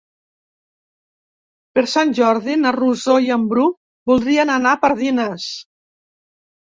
Per Sant Jordi na Rosó i en Bru voldrien anar a Pardines.